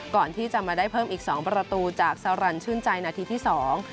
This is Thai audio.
ก่อนที่จะมาได้เพิ่มอีกสองประตูจากสารันชื่นใจนาทีที่สอง